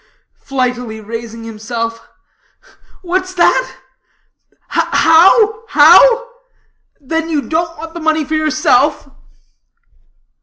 "Ugh, ugh, ugh!" flightily raising himself. "What's that? How, how? Then you don't want the money for yourself?"